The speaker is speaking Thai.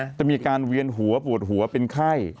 จะมีการเวียนหัวปวดหัวเป็นไข้